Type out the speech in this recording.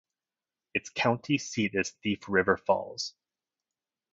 Its county seat is Thief River Falls.